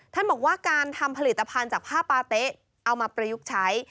ท่านบอกว่าการทำผลิตภัณฑ์จากผ้าปาเต๊ะเอามาประยุกต์ใช้